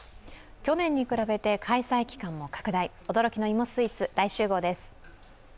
去年に比べて開催期間も拡大、驚きの芋スイーツ、大集合です。